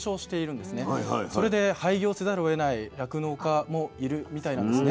それで廃業せざるをえない酪農家もいるみたいなんですね。